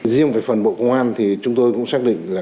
riêng về phần bộ công an thì chúng tôi cũng xác định là